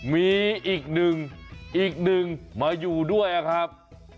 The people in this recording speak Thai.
มีอีกหนึ่งอีกหนึ่งมาอยู่ด้วยครับ